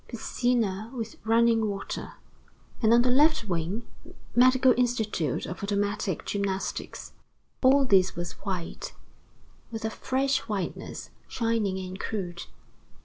Piscina with running water." And, on the left wing: "Medical institute of automatic gymnastics." All this was white, with a fresh whiteness, shining and crude.